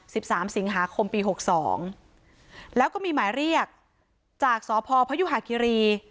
สิบสามสิงหาคมปีหกสองแล้วก็มีหมายเรียกจากสพพยุหาคิรี